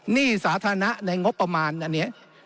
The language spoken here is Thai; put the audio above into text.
หนี้สาธารณะในงบประมาณอันนี้